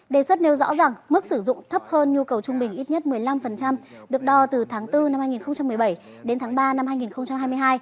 đề xuất nêu rõ rằng mức sử dụng thấp hơn nhu cầu trung bình ít nhất một mươi năm được đo từ tháng bốn năm hai nghìn một mươi bảy đến tháng ba năm hai nghìn hai mươi hai